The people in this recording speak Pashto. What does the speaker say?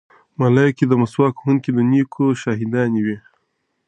ملایکې به د مسواک وهونکي د نیکیو شاهدانې وي.